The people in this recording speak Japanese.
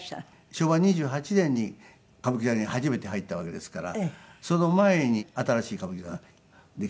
昭和２８年に歌舞伎座に初めて入ったわけですからその前に新しい歌舞伎座ができたんですよね。